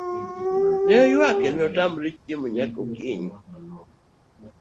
Ne oyuak kendo ne otamre chiemo nyaka gokinyi.